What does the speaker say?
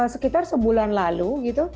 sekitar sebulan lalu gitu